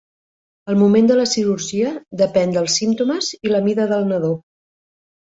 El moment de la cirurgia depèn dels símptomes i la mida del nadó.